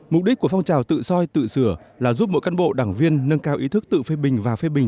mục đích của phong trào tự soi tự sửa là giúp mỗi cán bộ đảng viên nâng cao ý thức tự phê bình và phê bình